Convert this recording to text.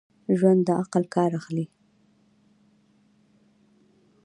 ژوندي د عقل کار اخلي